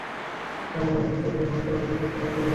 তারা আমাকে ঘণ্টার পর ঘণ্টা অপেক্ষা করতে বাধ্য করেছে।